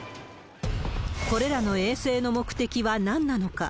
これらの衛星の目的はなんなのか。